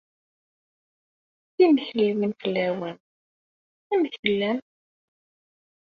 Timekliwin fell-awen. Amek tellam?